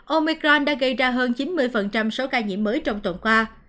omicron đã gây ra hơn chín mươi số ca nhiễm mới trong tuần qua